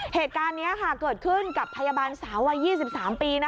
เหตุการณ์นี้เกิดขึ้นกับพยาบาลสาววัย๒๓ปี